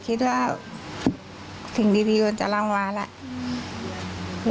คิดว่าสิ่งดีโดยจะรางวาลแล้ว